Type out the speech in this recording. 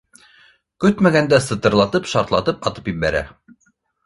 Көтмәгән дә сытырлатып-шартлатып атып бәрә